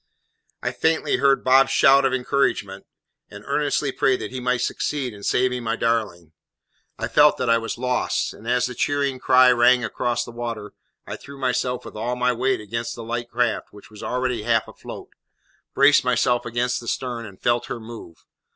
I faintly heard Bob's shout of encouragement, and earnestly prayed that he might succeed in saving my darling. I felt that I was lost, and, as the cheering cry rang across the water, I threw myself with all my weight against the light craft, which was already half afloat, braced myself against the stem, and felt her move.